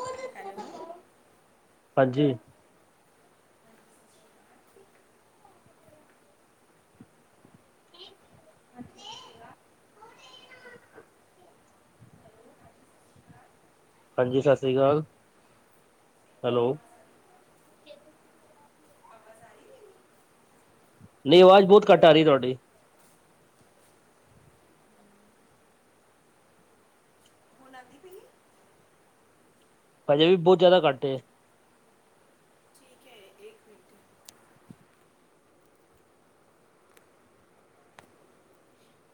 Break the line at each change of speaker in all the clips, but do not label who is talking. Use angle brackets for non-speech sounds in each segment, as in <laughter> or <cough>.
ਓਰ
hello,
ਹਾਂਜੀ।
ਹਾਂਜੀ ਸਤਿ ਸ਼੍ਰੀ
<inaudible> ਹਾਂਜੀ ਸਸ ਰੀ ਕਾਲ,
ਅਕਾਲ।
ਹੈਲੋ।
ਅਵਾਜ਼ ਆਰੀ ਏ ਮੇਰੀ।
ਨਈ ਆਵਾਜ਼ ਬੋਤ ਘੱਟ ਆ ਰਈ ਐ ਤੁਆਡੀ।
ਬਨਾਂਦੀ ਪਈ ਨੀ।
ਹਜੇ ਵੀ ਬਹੁ ਜ਼ਾਦਾ ਘੱਟ ਏ।
ਏਕ ਮਿੰਟ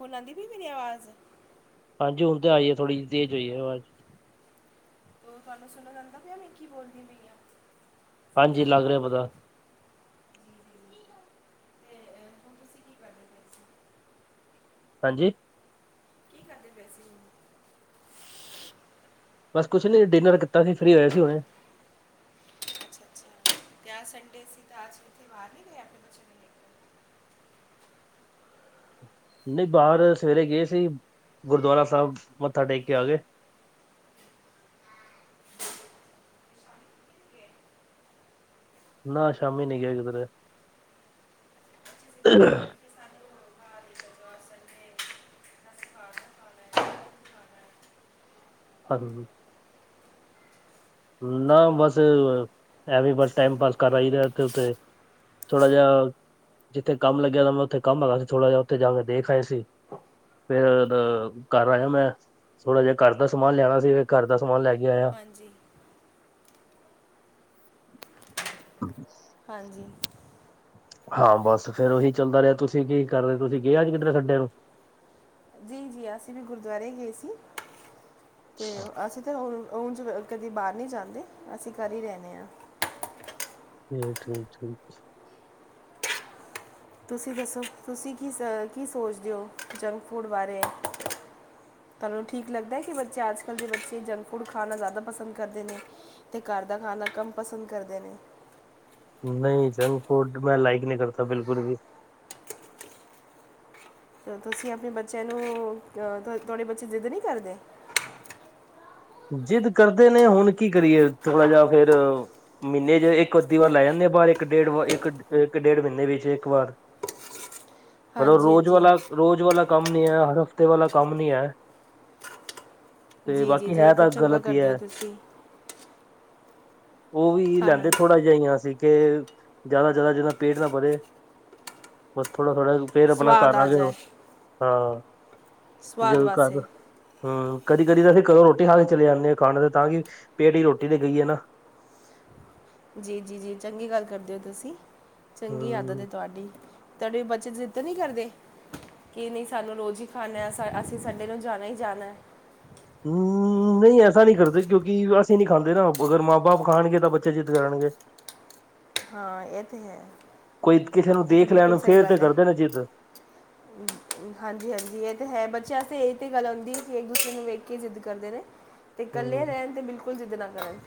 ਹੁਨ ਆਂਦੀ ਪਈ ਏ ਮੇਰੀ ਅਵਾਜ਼।
ਹਾਂਜੀ ਹੁਨ ਤਾਂ ਆਈਏ ਥੋੜ੍ਹੀ ਜੀ ਤੇਜ਼ ਹੋਈ ਏ ਅਵਾਜ਼।
ਹੁਨ ਤਆਨੂੰ ਸੁਨ ਜਾਂਦਾ ਪਿਆ ਕੇ ਮੈਂ ਕੀ ਬੋਲਦੀ ਪਈ ਆਂ।
ਹਾਂਜੀ ਲੱਗ ਰਿਆ ਪਤਾ।
ਜੀ ਜੀ ਜੀ ਤੇ ਅਹ, ਹੁਣ ਤੁਸੀਂ ਕੀ ਕਰਦੇ ਪਏ ਸੀ
ਹਾਂਜੀ।
ਕੀ ਕਰਦੇ ਪਏ ਸੀ?
ਬਸ ਕੁਛ ਨੀ ਡਿਨਰ ਕੀਤਾ ਸੀ ਫਰੀ ਹੋਏਆ ਸੀ ਹੁਨੇ।
ਅੱਛਾ ਅੱਛਾ ਤੇ ਅੱਜ ਸੰਡੇ ਸੀ ਤਾਂ ਆਜ ਤੁਸੀਂ ਬਾਰ ਨੀ ਗਏ ਆਪ।
ਨਈ ਬਾਰ ਸਵੇਰੇ ਗਏ ਸੀ, ਗੁਰਦੁਆਰਾ ਸਾਬ ਮੱਥਾ ਟੇਕ ਕੇ ਆ ਗਏ।
ਤੇ ਸ਼ਾਮੀ ਕਿੱਥੇ ਨਹੀਂ ਗਏ
ਨਾ ਸ਼ਾਮੀ ਨੀ ਗਏ ਕਿਦਰੇ।
ਅੱਜ ਤਾਂ ਵਾਅ ਸੰਡੇ ਐ। ਖਾਲੈ ਨਾ।
ਫਦੜੂ ਨਾ
ਜੀ
ਬਸ, ਐਵੀਂ ਬਸ ਟਾਈਮ ਪਾਸ ਕਰ ਲਈਦੈ ਓਥੇ ਉੱਥੇ। ਥੋੜਾ ਜਾ ਜਿੱਥੇ ਕੰਮ ਲੱਗੇਆ ਦਾ ਮੈਂ ਓਥੇ ਕੰਮ ਹੈਗਾ ਸੀ ਥੋੜਾ ਜਾ ਓਥੇ ਜਾ ਕੇ ਦੇਖ ਆਏ ਸੀ। ਫੇਰ ਅ ਘਰ ਆਏਆ ਮੈਂ ਥੋੜਾ ਜਾ ਘਰ ਦਾ ਸਮਾਨ ਲਿਆਨਾ ਸੀ ਫੇਰ ਘਰ ਦਾ ਸਮਾਨ ਲੈ ਕੇ ਆਏਆਂ।
ਹਾਂਜੀ।
ਚ
ਹਾਂਜੀ।
ਹਾਂ ਬਸ ਫੇਰ ਓਹੀ ਚੱਲਦਾ ਰਿਆ ਤੁਸੀਂ ਕੀ ਕਰ ਰਏ ਤੁਸੀਂ ਗਏ ਕਿੱਦਰੇ ਅੱਜ ਸੰਡੇ ਨੂੰ।
ਜੀ-ਜੀ ਅਸੀਂ ਵੀ ਗੁਰਦੁਆਰੇ ਈ ਗਏ ਸੀ, ਤੇ ਅਸੀਂ ਉਂਜ ਕਦੀ ਬਾਰ ਨੀ ਜਾਂਦੇ ਅਸੀਂ ਕਰ ਈ ਰੈਂਨੇ ਆਂ।
<inaudible>
ਤੁਸੀਂ ਦੱਸੋ ਤੁਸੀਂ ਕੀ ਸ ਕੀ ਸੋਚਦੇ ਓਂ ਜੰਕ ਫੂਡ ਬਾਰੇ ਐ ਤਾਨੂੰ ਠੀਕ ਲੱਗਦਾ ਐ ਕੇ ਬੱਚੇ ਅੱਜ-ਕੱਲ ਦੇ ਬੱਚੇ ਜੰਕ ਫੂਡ ਖਾਨਾ ਜ਼ਾਦਾ ਪਸੰਦ ਕਰਦੇ ਨੇ। ਤੇ ਘਰ ਦਾ ਖਾਨਾ ਕਮ ਪਸੰਦ ਕਰਦੇ ਨੇ।
ਨਈਂ ਜੰਕ ਫੂਡ ਮੈਂ ਲਾਈਕ ਨੀ ਕਰਤਾ ਬਿਲਕੁਲ ਵੀ।
ਤੁਸੀ ਆਪਣੇ ਬੱਚਿਆਂ ਨੂੰ ਤੁਆਡੇ ਬੱਚੇ ਜ਼ਿੱਦ ਨੀ ਕਰਦੇ?
ਜਿੱਦ ਕਰਦੇ ਨੇ ਹੁਣ ਕੀ ਕਰੀਏ ਥੋੜ੍ਹਾ ਜਿਆ ਫੇਰ ਮੀਨੇ ਚ ਇੱਕ ਅੱਧੀ ਵਾਰ ਲੈ ਜਾਨੇ ਆ ਬਾਅਰ ਇੱਕ ਡੇਢ ਵ ਇੱਕ ਇੱਕ ਡੇਢ ਮੀਨੇ ਵਿੱਚ ਇੱਕ ਵਾਰ।
<inaudible>
ਮਲਬ ਰੋਜ਼
ਹਾਂਜੀ,
ਵਾਲਾ, ਰੋਜ਼ ਵਾਲਾ ਕੰਮ ਨੀ ਹੈ ਹਰ ਹਫ਼ਤੇ ਵਾਲਾ ਕੰਮ ਨੀ ਹੈ ਤੇ
ਜੀ, ਜੀ,
ਬਾਕੀ ਹੈ
ਜੀ ਤੇ
ਤਾਂ
ਚੰਗਾ
ਗਲਤ ਹੀ
ਕਰਦੇ ਓ
ਹੈ
ਤੁਸੀਂ।
ਓ ਵੀ
ਹਾਂ ਹਾਂ,
ਲੈਂਦੇ ਥੋੜ੍ਹਾ ਜਿ ਆਂ ਸੀ ਕਿ ਜ਼ਿਆਦਾ, ਜਿਆਦਾ ਜਿੱਦਾਂ ਪੇਟ ਨਾ ਭਰੇ ਬਸ ਥੋੜ੍ਹਾ, ਥੋੜਾ ਫੇਰ ਆਪਣਾ
ਸਵਾਦ
ਘਰ ਆ ਗੇ ਓ
ਜਾਏ
ਹਾਂ
ਸਵਾਦ
ਜਦੋ
ਵਾਸਤੇ।
ਘਰ। ਹੁੰ ਕਦੀ, ਕਦੀ ਅਸੀਂ ਘਰੋਂ ਰੋਟੀ ਖਾ ਕੇ ਚਲੇ ਜਾਨੇ ਆਂ ਖਾਣ ਤੇ ਤਾਂ ਕਿ ਪੇਟ ਇਚ ਰੋਟੀ ਤੇ ਗਈ ਏ ਨਾ।
ਜੀ, ਜੀ, ਜੀ ਚੰਗੀ ਗੱਲ ਕਰਦੇ ਓ ਤੁਸੀ ਚੰਗੀ ਆਦਤ
ਹੂੰ
ਐ ਤੁਆਡੀ ਤਾਡੇ ਬੱਚੇ ਜਿੱਦ ਨੀ ਕਰਦੇ? ਕਿ ਨਈ ਸਾਨੂੰ ਰੋਜ਼ ਈ ਖਾਣਾ ਏ ਅਸੀਂ ਸੰਡੇ ਨੂੰ ਜਾਣਾ ਈ ਜਾਣਾ।
ਹੁੰ ਨਈ ਐਸਾ ਨਈ ਕਰਦੇ ਕਿਉਂਕਿ ਅਸੀਂ ਨਈ ਖਾਂਦੇ ਨਾ ਅਗਰ ਮਾਂ ਬਾਪ ਖਾਣਗੇ ਤਾਂ ਬੱਚੇ ਜਿੱਦ ਕਰਨਗੇ।
ਹਾਂ ਇਹ ਤੇ ਹੈ
ਕੋਈ ਕਿਸੇ ਨੂੰ ਦੇਖ ਲੈਣ ਫੇਰ ਤੇ ਕਰਦੇ ਨੇ ਜਿੱਦ।
ਹ <inaudible> ਹਾਂਜੀ, ਹਾਂਜੀ ਏ ਤੇ ਹੈ ਬੱਚਿਆਂ ਆਸਤੇ ਏ ਤੇ ਗੱਲ ਆਂਦੀ ਐ ਕਿ ਇੱਕ ਦੂਸਰੇ ਨੂੰ ਵੇਖ ਕੇ ਜਿੱਦ ਕਰਦੇ ਨੇ। ਤੇ ਕੱਲੇ
ਹੂੰ
ਰੈਣ ਤੇ ਬਿਲਕੁਲ ਜਿੱਦ ਨਾ ਕਰਨ।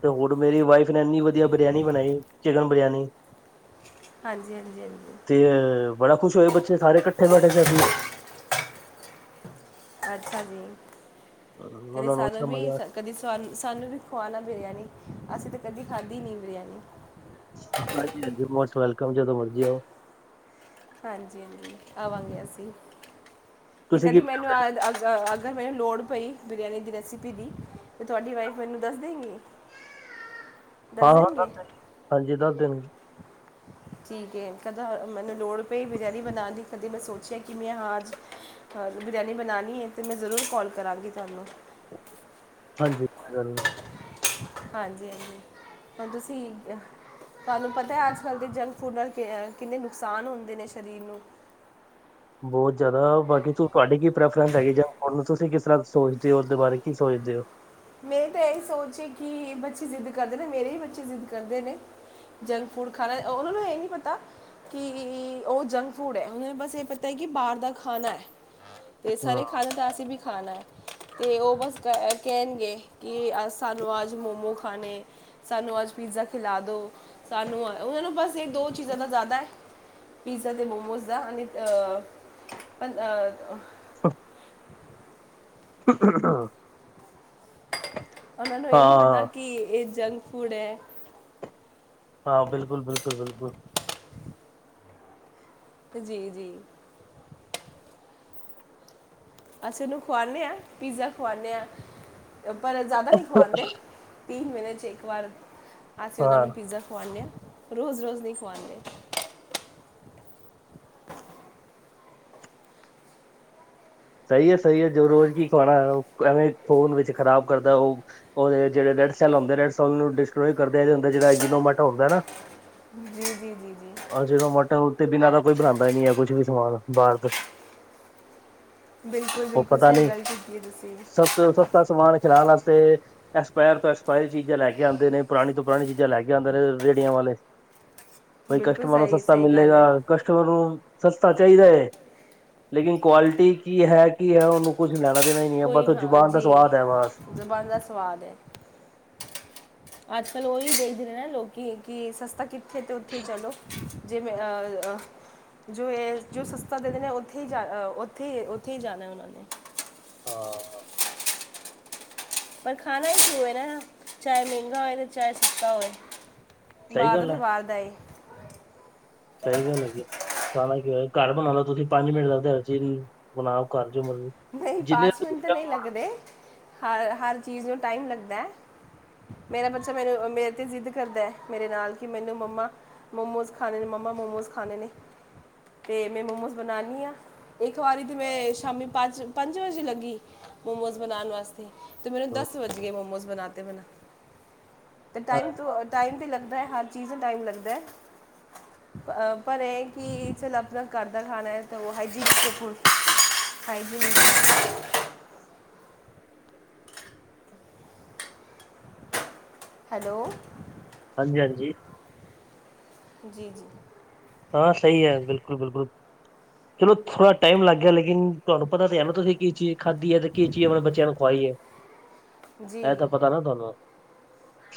ਤੇ ਹੋਰ ਮੇਰੀ ਵਾਈਫ ਨੇ ਏਨੀ ਵਧੀਆ ਬਰਿਆਨੀ ਬਣਾਈ ਚਿਕਨ ਬਰਿਆਨੀ।
ਹਾਂਜੀ, ਹਾਂਜੀ, ਹਾਂਜੀ।
ਤੇ ਬੜਾ ਖੁਸ਼ ਹੋਏ ਬੱਚੇ ਸਾਰੇ ਕੱਠੇ ਬੈਠੇ ਸੀ ਅਸੀਂ।
ਅੱਛਾ ਜੀ, ਤੇ
ਉਹਨਾਂ ਨੂੰ
ਸਾਨ
ਅੱਛਾ
ਵੀ
ਮਜ਼ਾ
ਕਦੇ ਸਾਨ ਸਾਨੂੰ ਵੀ ਖਵਾਣਾ ਬਰਿਆਨੀ ਅਸੀਂ ਤੇ ਕਦੀ ਖਾਧੀ ਨੀ ਬਰਿਆਨੀ।
<unintelligible> ਮੋਸਟ ਵੈਲਕਮ ਜਦੋਂ ਮਰਜ਼ੀ ਆਓ
ਹਾਂਜੀ, ਹਾਂਜੀ ਆਵਾਂਗੇ ਅਸੀਂ। ਤੇ
ਤੁਸੀਂ
ਕਦੀ
ਕੀ
ਮੈਨੂੰ ਅ ਅਗਰ ਮੈਨੂੰ ਲੋੜ ਪਈ ਬਿਰਆਨੀ ਦੀ ਰੈਸਿਪੀ ਦੀ ਤੇ ਤੁਆਡੀ ਵਾਈਫ ਮੈਨੂੰ ਦੱਸ ਦੇਗੀ?
ਹਾਂ, ਹਾਂ ਦੱਸ ਦੇਗੀ ਹਾਂਜੀ ਦੱਸ ਦੇਣਗੇ।
ਠੀਕ ਏ ਕਦਾ ਮੈਨੂੰ ਲੋੜ ਪਈ ਬਿਰਆਨੀ ਬਨਾਣ ਦੀ ਕਦੀ ਮੈਂ ਸੋਚਿਆ ਕਿ ਮੈਂ ਹਾਂ ਅੱਜ ਬਰਿਆਨੀ ਬਣਾਉਣੀ ਐ ਤੇ ਮੈਂ ਜ਼ਰੂਰ ਕਾੱਲ ਕਰਾਂਗੀ ਤੁਆਨੂੰ।
ਹਾਂਜੀ, ਕੋਈ ਗੱਲ ਨੀ।
ਹਾਂਜੀ, ਹਾਂਜੀ ਹੁਣ ਤੁਸੀ ਤਾਨੂੰ ਪਤਾ ਏ ਅੱਜ ਕੱਲ੍ਹ ਦੇ ਜੰਕ ਫੂਡ ਨਾਲ ਕਿੰਨੇ ਨੁਕਸਾਨ ਹੁੰਦੇ ਨੇ ਸਰੀਰ ਨੂੰ।
ਬਓਤ ਜ਼ਿਆਦਾ ਬਾਕੀ ਤ ਤੁਆਡੀ ਕੀ ਪ੍ਰੈਫਰੈਂਸ ਹੈਗੀ ਜਾਂ ਉਨੂੰ ਤੁਸੀਂ ਕਿਸ ਤਰ੍ਹਾਂ ਸੋਚਦੇ ਓ ਓਦੇ ਬਾਰੇ ਕੀ ਸੋਚਦੇ ਓ।
ਮੈਂ ਤਾਂ ਇਹੀ ਸੋਚ ਐ ਕਿ ਬੱਚੇ ਜਿੱਦ ਕਰਦੇ ਨੇ ਮੇਰੇ ਹੀ ਬੱਚੇ ਜਿੱਦ ਕਰਦੇ ਨੇ ਜੰਕ ਫੂਡ ਖਾਣਾ ਓਹਨਾਂ ਨੂੰ ਐ ਈ ਨੀ ਪਤਾ ਕਿ ਓ ਜੰਕ ਫੂਡ ਐ ਓਨਾਂ ਨੂੰ ਬਸ ਏ ਪਤਾ ਐ ਕਿ ਬਾਹਰ ਦਾ ਖਾਣਾ ਐ ਤੇ
ਹਾਂ
ਸਾਰੇ ਖਾਲੇਣ ਤਾਂ ਅਸੀਂ ਵੀ ਖਾਣਾ ਐ ਤੇ ਓ ਬਸ ਕਹਿ ਕੈਨ ਕਿ ਅਜ ਸਾਨੂੰ ਅੱਜ ਮੋਮੋ ਖਾਣੇ। ਸਾਨੂੰ ਅੱਜ ਪੀਜ਼ਾ ਖਿਲਾ ਦੋ ਸਾਨੂੰ ਉਨਾਂ ਨੂੰ ਬਸ ਇ ਦੋ ਚੀਜ਼ਾਂ ਦਾ ਜ਼ਿਆਦਾ ਐ। ਪਿਜ਼ਾ ਤੇ ਮੋਮੋਜ਼ ਦਾ ਅ ਪੰਦਰ
ਹਾਂ <inaudible>
ਓਨਾਂ ਨੂੰ ਏ ਨੀ ਪਤਾ
ਹਾਂ
ਕਿ ਏ ਜੰਕ ਫੂਡ ਐ।
ਹਾਂ, ਬਿਲਕੁਲ, ਬਿਲਕੁਲ, ਬਿਲਕੁਲ।
ਜੀ -ਜੀ ਅਸੀ ਔਨੂੰ ਖੁਆਣੇ ਆਂ, ਪੀਜ਼ਾ ਖੁਆਣੇ ਆਂ ਪਰ ਜ਼ਾਦਾਦਾ ਨੀ ਖੁਆਦੇ ਤੀਨ ਮਹੀਨੇ 'ਚ ਇੱਕ ਵਾਰ ਅਸੀਂ ਔਨਾਂ
ਹਾਂ
ਨੂੰ ਪੀਜ਼ਾ ਖਵਾਨੇ ਹਾਂ ਰੋਜ਼ ਰੋਜ਼ ਨਹੀਂ ਖਵਾਉਂਦੇ।
ਸਈ ਐ ਸਈ ਐ ਜੋ ਰੋਜ਼ ਕੀ ਖਵਾਨਾ ਹੈ ਔ ਐਵੇਂ ਖੋਨ ਵਿੱਚ ਖ਼ਰਾਬ ਕਰਦਾ ਔ ਔਵੇਂ ਔ ਜੇੜਾ ਰੈਡ ਸੈਲ ਹੋਂਦੇ ਨੇ ਸੈਲ ਨੂੰ ਡਿਸਕਨੈਕਟ ਕਰਦੇ ਹੈਗੇ ਦੇ ਜਿਹੜਾਨੋਮਾ ਹੁੰਦਾ ਨਾ <unintelligible>
ਹਮ। ਹਮ- ਹਮ -ਹਮ,
ਆ ਜ ਦੋਂ ਮਾਟਾ- ਮੁਟਾ ਤ ਬਿਲਾਵਾ ਕੋਈ ਬਨਾਦਾ ਨੀ ਹੈ ਕੁਛ ਵੀ ਸਮਾਨ ਬਾਹਰ ਤ
ਬਿਲਕੁਲ -ਬਿਲਕੁਲ ਸਈ ਗੱਲ ਕੀਤੀ ਐ ਤੁਸੀਂ
ਤੇ ਔ ਸਸਤਾ ਸਮਾਨ ਖਿਲਾਨ ਵਾਸਤੇ ਐਕਸਪੈਰ ਤੋਂ ਐਕਸਪਾਇਰੀ ਚੀਜ਼ਾਂ ਲੈ ਕੇ ਆਂਦੇ ਨੇ, ਪੁਰਾਣੀ ਤੋਂ ਪੁਰਾਣੀ ਚੀਜ਼ਾਂ ਲੈ ਕੇ ਆਂਦੇ ਨੇ ਰੇਅ ੜੀਆਂ ਵਾਲੇ ਕੋਈ
ਬਿਲਕੁਲ
ਕਸਟਮਰ ਨੂੰ
ਸਹੀ
ਸਸਤਾ
ਸਹੀ ਗੱਲ
ਮਿਲੇਗਾ।
ਹੈ
ਕਸਟਮਰ ਨੂੰ ਸਸਤਾ ਚਾਈਦਾ ਏ, ਲੇਕਿਨ ਕੁਆਲਟੀ ਕੀ ਹੈ, ਕੀ ਹੈ ਔਨੂੰ ਕੁੱਛ ਲੈਣਾ ਦੇਣਾ ਈ ਨੀ ਐ ਬਟ ਔ ਜੁਬਾਨ ਦਾ ਸਵਾਦ ਹੈ ਬਸ
ਜੁਬਾਨ ਦਾ ਸਵਾਦ ਐ <unintelligible> ਅਜ -ਕੱਲ ਔਈ ਦੇਖਦੇ ਨੇ ਨਾ ਲੋਕੀ ਕਿ ਸਸਤਾ ਕਿੱਥੇ ਤੇ ਉਥੇ ਚੱਲੋ। ਜੇ ਮੇਰਾ ਆ ਗਯਾ ਅ ਜੋ ਏ ਜੋ ਸਸਤਾ ਦੇਦੇ ਨਾ ਔਥੇ ਈ ਜਾ ਅ ਔਥੇ ਈ ਔਥੇ ਈ ਜਾਨਾ ਔਨਾਂ ਨੇ
ਹਾਂ।
ਪਰ ਖਾਣਾ ਈ ਫੇਰੈ ਚਾਏ ਮੈੰਗਾ ਹੋਏ ਤੇ ਚਾਹੇ ਸਸਤਾ ਹੋਵੇ।
ਸਹੀ
ਬਾਰ ਦਾ
ਗੱਲ
ਤੇ ਬਾਰ ਦਾ ਈ
ਸਈ ਗੱਲ ਹੈਗੀ। ਖਾਣਾ ਕੀ ਐ ਘਰ ਬਣਾ ਲੋ ਤੁਸੀਂ ਪੰਜ ਮਿੰਟ ਲੱਗਦੇ ਚੀਜ਼ ਬਨਾਨ- ਖੁਵਾਨ ਚ ਮੈਨੂੰ
ਨਹੀਂ ਪਾਂਚ ਮਿੰਟ ਤੇ ਨੀ ਲੱਗਦੇ ਖਾਨ, ਹਰ ਚੀਜ਼ ਨੂੰ ਟਾਈਮ ਲੱਗਦੈ। ਮੇਰਾ ਬੱਚਾ ਮੈਰੇ -ਮੇ ਤੇ ਜ਼ਿੱਦ ਕਰਦਾ ਐ ਮੇਰੇ ਨਾਲ ਕਿ ਮੈਨੂੰ ਮੰਮਾ ਮੋਮੋਸ ਖਾਣੇ ਨੇ, ਮੰਮਾ ਮੋਮੋਜ਼ ਖਾਣੇ ਨੇ ਤੇ ਮੈਂ ਮੋਮੋਸ ਬਨਾਨਾ ਆ। ਇੱਕ ਵਾਰੀ ਤੇ ਸ਼ਾਮੀ ਪੰਜ- ਪੰਜ ਵਜੇ ਲੱਗੀ। ਮੋਮੋਸ ਬਨਾਨ ਵਾਸਤੇ ਤੇ ਮੈਨੂੰ ਦਸ ਵਜ ਗੇ ਮੋਮੋਸ ਬਣਾ ਤੇ ਮਨੂੰ ਤੇ ਟਾਈਮ ਤ ਅ
ਹਾਂਜੀ
ਟਾਇਮ ਤੇ ਲੱਗਦੈ ਹਰ ਚੀਜ਼ ਨੂੰ ਟਾਈਮ ਲੱਗਦੈ। ਅ ਪਰ ਏਹ ਕਿ ਚੱਲ ਅਪਨਾ ਘਰ ਦਾ ਖਾਣਾ ਹੈ ਤਾਂ ਹ <unintelligible> ਹਾਂਜੀ <unintelligible> ਹੈਲੋ।
ਹਾਂਜੀ -ਹਾਂਜੀ।
ਜੀ -ਜੀ-
ਹਾਂ ਸਈ ਐ ਬਿਲਕੁਲ -ਬਿਲਕੁਲ- ਚਲੋ ਥੋੜਾ ਟਾਈਮ ਲੱਗ ਗਿਆ ਲੇਕਿਨ ਤੁਆਨੂੰ ਪਤਾ ਤੇ ਹੈ ਨਾਂ ਤੁਸੀਂ ਕੀ ਚੀਜ਼ ਖਾਧਦੀ ਹੈ ਤੇ ਕੀ ਚੀਜ਼ ਅਪਣੇ ਬੱਚਿਆਂ ਨੂੰ ਖਵਾਈ ਐ
ਜੀ
ਐ ਤਾਂ ਪਤਾ ਨਾ ਤੁਆਨੂੰ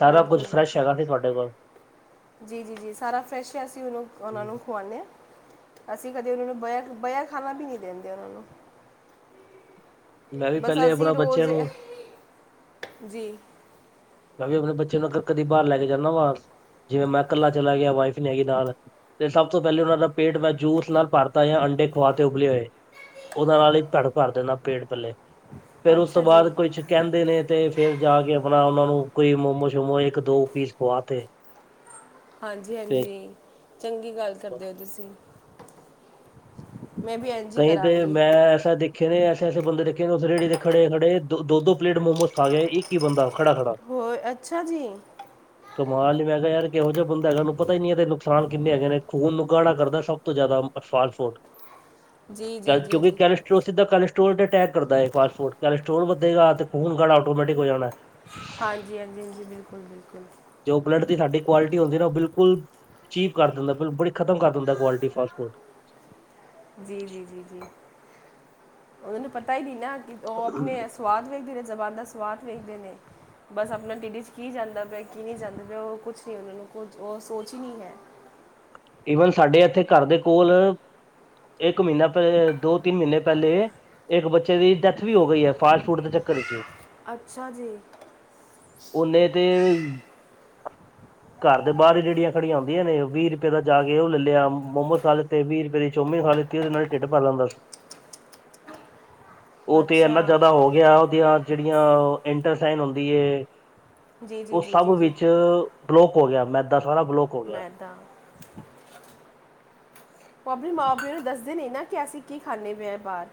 ਬਿਲਕੁਲ- ਬਿਲਕੁਲ,
ਤੁਹਾਡੇ ਕੋਲ।
ਜੀ- ਜੀ- ਜੀ ਸਾਰਾ ਫਰੈਸ਼ ਆ ਸੀਂ ਔਨੂੰ ਔਨਾ
ਹਮ,
ਨੂੰ ਖੁਆਨੇ ਅਸੀਂ ਕਦੇ ਔਨੂਂ ਨੂੰ ਬਯਾ- ਬਆ ਖਾਣਾ ਵੀ ਨੀ ਦਿੰਦੇ ਔਨਾ ਨੂੰ
ਮੈਂ ਵੀ
ਬਸ
ਪਹਿਲੇ
ਅਸੀਂ
ਆਪਣਾ ਬੱਚਿਆਂ
ਰੋਜ਼
ਨੂੰ
ਅ ਜੀ
ਮੈਂ ਵੀ ਅਪਣੇ ਬੱਚੇ ਨੂੰ ਕ ਕਦੇ ਬਾਰ ਲੈਕੇ ਜਾਂਦਾ ਵਾਂ ਜਿਵੇਂ ਮੈਂ ਕੱਲਾ ਚਲਾ ਗਯਾ ਵਾਈਫ ਨੀ ਹੈਗੀ ਨਾਲ ਤੇ ਸਭ ਤੋਂ ਪੈਲੇ ਔਨਾਂ ਦਾ ਪੇਟ ਮੈਂ ਜੂਸ ਨਾਲ ਭਰਤਾ ਜਾਂ ਅੰਡੇ ਖੁਆ ਤੇ ਉਬਲੇ ਹੋਏ। ਔਦੇ ਨਾਲ ਈ ਭਰ ਭਰ ਦੇਂਦਾ ਪੜ ਪੈਲੇ ਫੇਰ ਉਸ ਤੋਂ
ਅੱਛਾ ਜੀ
ਬਾਅਦ ਕੁਛ ਕੈਂਦੇ ਨੇ ਤੇ ਫੇਰ ਜਾ ਕੇ ਅਪਣਾ ਔਨਾਂ ਨੂੰ ਕੋਈ ਮੋਮੋ ਸ਼ੋਮੋ ਇੱਕ ਦੋ ਪੀਸ ਪਵਾਤੇ
ਹਾਂਜੀ ਹਾਂਜੀ ਚੰਗੀ ਗੱਲ ਕਰਦੇ ਹੋ ਤੁਸੀਂ, ਮੈਂ ਵੀ ਐ
ਕਹੀ ਤੇ, ਮੈਂ ਐਸਾ ਦੇਖ ਦੇਖੇ ਨੇ ਐਸੇ ਐਸੇ ਬੰਦੇ ਦੇਖੇ ਨੇ, ਔਥੇ ਰੇੜੀ ਦੇ ਖੜੇ ਖੜੇ ਦੋ ਦੋ ਪਲੇਟ ਮੋਮੋਸ ਖਾ ਗਯਾ ਜੀ ਇਕ ਹੀ ਬੰਦਾ ਖੜਾ
ਹੋਰ ਅੱਛਾ ਜੀ
ਕਮਾਲ ਨੀ ਮੈਂ ਕਿਹਾ ਯਾਰ ਕਿਹੋ ਜੇਹਾ ਬੰਦਾ ਹੈਗਾ ਉਹਨੂੰ ਪਤਾ ਨੀ ਇਹ ਨੁਕਸਾਨ ਕਿੰਨੇ ਹੈਗੇ ਨੇ, ਖੂਨ ਨੂੰ ਗਗਾੜਣਾ ਕਰਦਾ ਸ਼ੌ ਸਬ ਤੋਂ ਜ਼ਿਆਦਾ, ਐ ਫਾਸਟ ਫੂਡ
ਜੀ ਜੀ ਜੀ
ਕਿਉਂਕਿ
ਜੀ
ਕ ਉਹ ਸਿੱਧਾ ਕੈਲੈਸਟਰੋਲ ਤੇ ਅਟੈਕ ਕਰਦਾ ਹੈ ਫਾਸਟ ਫੂਡ, ਕੈਲੈਸਟੋਲ ਵਧਗਾ ਤੇ ਖੂਨ ਗਾੜਾ ਆਟੋਮੈਟਿਕ ਹੋ ਜਾਣਾ
ਹਾਂਜੀ ਹਾਂਜੀ ਹਾਂਜੀ ਬਿਲਕੁਲ ਬਿਲਕੁਲ
ਜੋ ਬਲੱਡ ਦੀ ਸਾਡੀ ਕੁਆਲਿਟੀ ਹੁੰਦੀ ਨਾ ਉਹ ਬਿਲਕੁਲ ਚੀਪ ਕਰ ਦਿੰਦਾ, ਬਿਲ ਬੜੀ ਖਤਮ ਕਰ ਦੇਂਦਾ ਕੁਆਲਿਟੀ, ਫਾਸਟ ਫੂਡ
ਜੀ ਜੀ ਜੀ ਜੀ ਉਨਾਂਨੂੰ ਪਤਾ ਹੀ ਨਹੀਂ ਨਾ ਕਿ ਉਹ ਆਪਣੇ
ਫੂਡ
ਐਸ ਸਵਾਦ ਵੇਖਦੇ ਨੇ ਜ਼ਬਾਨ ਦਾ ਸਵਾਦ ਵੇਖਦੇ ਨੇ ਬਸ ਆਪਣਾ ਟਿੱਡੀ ਚ ਕੀ ਜਾਂਦਾ ਪਿਆ ਕੀ ਨਹੀਂ ਜਾਂਦਾ ਪਿਆ ਉਹ ਕੁਛ ਨੀ, ਉਹਨਾਂ ਨੂੰ ਕੁ ਉਹ ਸੋਚ ਹੀ ਨਹੀਂ ਹੈ
ਈਵਨ ਸਾਡੇ ਇੱਥੇ ਘਰ ਦੇ ਕੋਲ ਇੱਕ ਮਹੀਨਾ ਪਹਿ ਦੋ ਤਿੰਨ ਮਹੀਨੇ ਪਹਿਲੇ ਇੱਕ ਬੱਚੇ ਦੀ ਡੈਥ ਵੀ ਹੋ ਗਈ ਹੈ, ਫਾਸਟ ਫੂਡ ਦੇ ਚੱਕਰ ਵਿੱਚ
ਅੱਛਾ ਜੀ
ਔ ਨੇ ਤੇ ਘਰ ਦੇ ਬਾਹਰ ਹੀ ਰੇੜੀਆਂ ਖੜੀਆਂ ਹੂਦਿਆਂ ਨੇ, ਵੀਹ ਰੁਪਏ ਦਾ ਜਾ ਕੇ ਉਹ ਲੈ ਲਿਆ ਮੋਮਰ ਖਾ ਲਿੱਤੇ, ਵੀਹ ਰੁਪਏ ਦੀ ਚਓਮੀਨ ਖਾ ਲਤੀ ਉਹਦੇ ਨਾਲ ਹੀ ਢਿੱਡ ਭਰ ਲੈਂਦਾ ਸੀ ਉਹ ਤੇ
ਅੱਛਾ
ਇਨਾ ਜ਼ਿਆਦਾ ਹੋ ਗਿਆ, ਉਹਦੀਆਂ ਜਿਹੜੀਆਂ ਇੰਟਸੈਟਾਈਨ ਹੁੰਦੀ ਹੈ,
ਜੀ ਜੀ
ਉਹ
ਜੀ
ਸਭ
ਜੀ ਜੀ
ਵਿੱਚ ਬਲੋਕ ਹੋ ਗਿਆ, ਮੈਂਦਾ ਸਾਰਾਂ ਬਲੋਕ ਹੋ ਗਿਆ।
ਮੈਦਾ ਪਾਬਲ ਏ ਮਾ ਪਿਯੋ ਨੂੰ ਦੱਸਦੇ ਨੀ ਨਾ, ਕਿ ਅਸੀਂ ਕੀ ਖਾਂਦੇ ਪਏ ਆਂ ਬਾਹਰ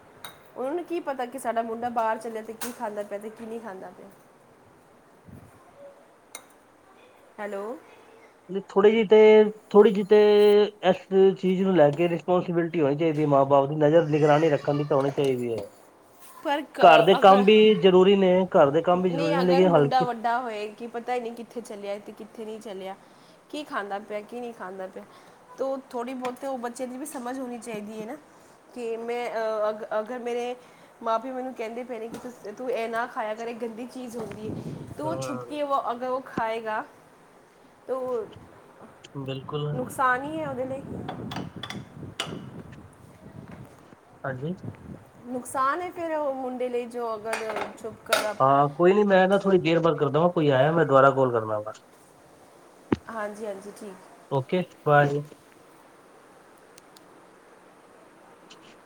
ਉਹਨਾਂ ਨੂੰ ਕੀ ਪਤਾ ਕਿ ਸਾਡਾ ਮੁੰਡਾ ਬਾਹਰ ਚੱਲਿਆ, ਤੇ ਕੀ ਖਾਂਦਾ ਪਯਾ ਤੇ ਕੀ ਨਹੀਂ ਖਾਂਦਾ ਪਯਾ ਹੈਲੋ
ਥੋੜੀ ਜਿਹੀ ਤੇ ਥੋੜ੍ਹੀ ਜਿਹੀ ਤੇ ਇਸ ਚੀਜ਼ ਨੂੰ ਲੈ ਕੇ ਰਿਸਪੋਂਸੀਬਿਲਟੀ ਡਿਉਟੀ ਹੋਣੀ ਚਾਹੀਦੀ ਹੈ ਮਾਂ ਬਾਪ ਦੀ, ਨਜ਼ਰ ਨਿਗਰਾਨੀ ਰੱਖਣ ਦੀ ਤਾਂ ਹੋਣੀ ਚਾਹੀਦੀ ਹੈ
ਪਰ
ਘਰ
ਕ-
ਦੇ ਕੰਮ
ਅਗਰ
ਵੀ ਜ਼ਰੂਰੀ ਨੇ ਘਰ ਦੇ ਕੰਮ ਵੀ ਜ਼ਰੂਰੀ ਨੇ ਲੇਕਿਨ ਹਲਕੀ
ਪਤਾ ਹੋਏ, ਕਿ ਪਤਾ ਹੀ ਨਹੀਂ ਕਿੱਥੇ ਚੱਲਿਆ ਤੇ ਕਿੱਥੇ ਨਹੀਂ ਚੱਲਿਆ ਕੀ ਖਾਂਦਾ ਪਯਾ ਕੀ ਨਹੀਂ ਖਾਂਦਾ ਪਯਾ ਤ ਥੋੜ੍ਹੀ ਬਹੁਤ ਉਹ ਬੱਚਿਆਂ ਦੀ ਵੀ ਸਮਝ ਹੋਣੀ ਚਾਹੀਦੀ ਹੈ ਨਾ ਕਿ ਮੈਂ ਅ ਅਗਰ ਮੇਰੇ ਮਾਂ ਪਿਓ ਮੈਨੂੰ ਕਹਿੰਦੇ ਪਏ ਨੇ ਕਿ ਤੂੰ ਇਹ ਨਾ ਖਾਇਆ ਕਰੇ ਗੰਦੀ ਚੀਜ਼ ਹੁੰਦੀ ਹੈ ਤਾਂ ਉਹ ਛੁਪ ਕੇ
ਹੂੰ
ਉਹ ਅਗਰ ਉਹ ਖਾਏਗਾ, ਤਾਂ
ਬਿਲਕੁਲ
ਤਾਂ ਨੀ ਹੈ, ਉਹਦੇ ਲਈ
ਹਾਂਜੀ
ਨੁਕਸਾਨ ਹੈ ਫੇਰ ਉਹ ਮੁੰਡੇ ਲਈ, ਜੋ ਅਗਰ ਛੁਪ ਕਰ ਆਪ-
ਹਾਂ ਕੋਈ ਨੀ ਮੈਂ ਨਾ ਥੋੜ੍ਹੀ ਦੇਰ ਬਾਰ ਕਰਦਾ ਵਾਂ, ਕੋਈ ਆਇਆ ਮੈਂ ਦੁਬਾਰਾ ਕਾਲ ਕਰਨਾ ਵਾ
ਹਾਂਜੀ -ਹਾਂਜੀ ਠੀਕ
ਓਕੇ ਬਾਏ। ਅ